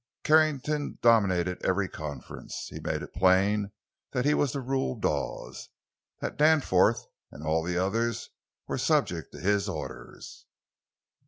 Carrington dominated every conference; he made it plain that he was to rule Dawes—that Danforth and all the others were subject to his orders.